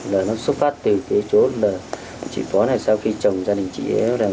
là nó xuất phát từ cái chỗ là chị phó này sau khi chồng gia đình chị ấy